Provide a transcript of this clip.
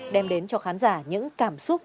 đem đến cho khán giả những cảm xúc